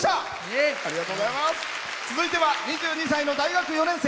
続いては、２２歳の大学４年生。